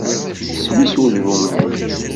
Isem-is udrum-nwen?